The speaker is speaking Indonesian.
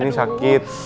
ini ini sakit